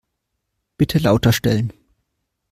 Bitte lauter stellen.